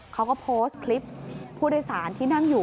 เขาก็โพสต์คลิปผู้โดยสารที่นั่งอยู่